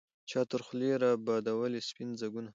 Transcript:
چا تر خولې را بادوله سپین ځګونه